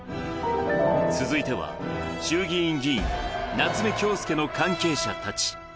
続いては、衆議院議員、夏目恭輔の関係者たち。